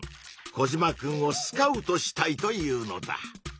コジマくんをスカウトしたいというのだ。